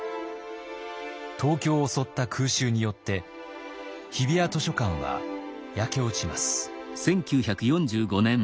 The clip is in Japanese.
東京を襲った空襲によって日比谷図書館は焼け落ちます。